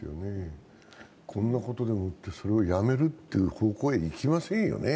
こんなことでもってそれをやめるという方向にいきませんよね。